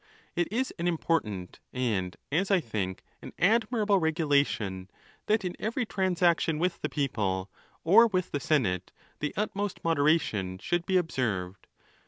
It is an important, and, as I think, an admirable regulation, that in every transaction with the people or with the senate, the utmost moderation should be observed.